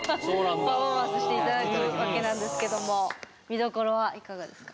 パフォーマンスして頂くわけなんですけども見どころはいかがですか？